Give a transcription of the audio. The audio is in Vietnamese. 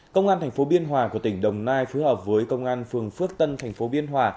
công an thành phố biên hòa của tỉnh đồng nai phối hợp với công an phường phước tân thành phố biên hòa